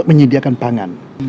untuk menyediakan pangan